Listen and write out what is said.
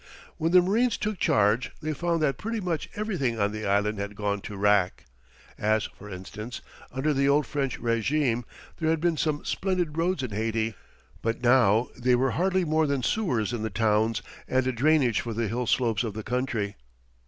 When the marines took charge they found that pretty much everything on the island had gone to wrack. As, for instance, under the old French régime there had been some splendid roads in Haiti, but now they were hardly more than sewers in the towns and a drainage for the hill slopes of the country.